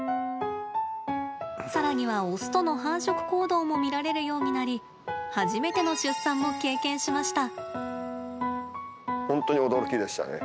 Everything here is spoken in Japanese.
さらには雄との繁殖行動も見られるようになり初めての出産も経験しました。